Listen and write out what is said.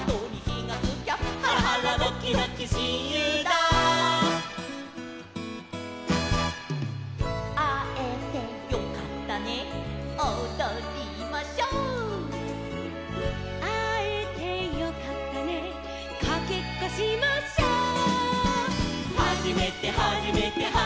「ハラハラドキドキしんゆうだ」「あえてよかったねおどりましょう」「あえてよかったねかけっこしましょ」「はじめてはじめてはじめてはじめて」